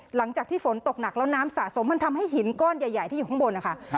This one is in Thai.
หลังจากที่ฝนตกหนักแล้วน้ำสะสมมันทำให้หินก้อนใหญ่ที่อยู่ข้างบนนะคะ